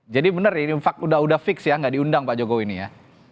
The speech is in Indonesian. jadi bener ini udah fix ya nggak diundang pak jokowi ini ya